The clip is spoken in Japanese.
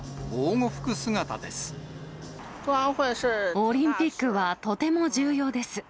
オリンピックはとても重要です。